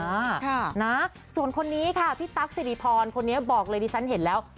ค่ะนะส่วนคนนี้ค่ะพี่ตั๊กสิริพรคนนี้บอกเลยดิฉันเห็นแล้ว